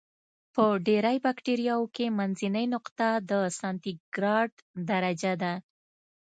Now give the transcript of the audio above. په ډېری بکټریاوو کې منځنۍ نقطه د سانتي ګراد درجه ده.